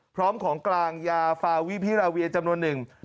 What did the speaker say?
พร้อมของกลางยาฟาวิพิราเวียจำนวนหนึ่ง